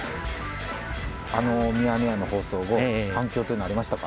あのミヤネ屋の放送後、反響というのはありましたか？